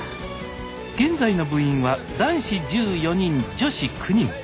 現在の部員は男子１４人女子９人。